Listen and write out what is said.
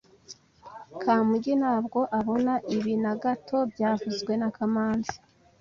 Kamugi ntabwo abona ibi na gato byavuzwe na kamanzi